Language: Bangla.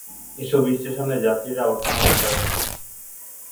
এসব স্টেশনে যাত্রীরা ওঠানামা করেন।